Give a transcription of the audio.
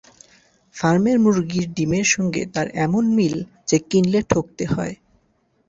ফার্মের মুরগির ডিমের সঙ্গে তার এমন মিল যে কিনলে ঠকতে হয়।